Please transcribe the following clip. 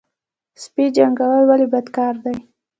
سپي جنګول ولې بد کار دی؟